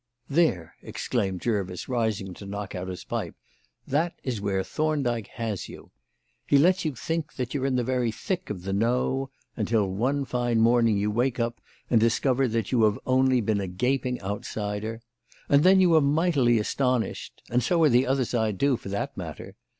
"There!" exclaimed Jervis, rising to knock out his pipe, "that is where Thorndyke has you. He lets you think you're in the very thick of the 'know' until one fine morning you wake up and discover that you have only been a gaping outsider; and then you are mightily astonished and so are the other side, too, for that matter.